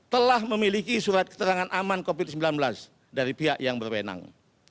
telah memiliki surat keterangan aman covid sembilan belas dari pihak yang berwenang